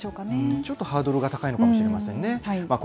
ちょっとハードルが高いのかもしれませんね。